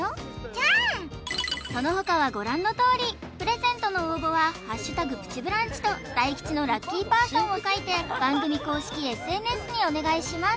チャーンそのほかはご覧のとおりプレゼントの応募は「＃プチブランチ」と大吉のラッキーパーソンを書いて番組公式ＳＮＳにお願いします